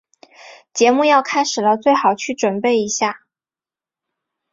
节目要开始了，最好去准备一下。